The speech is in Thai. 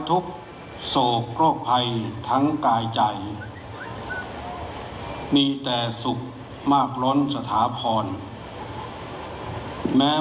ถือว่าชีวิตที่ผ่านมายังมีความเสียหายแก่ตนและผู้อื่น